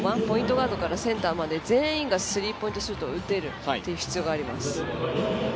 ガードからセンターまで全員がスリーポイントシュートを打てる必要があります。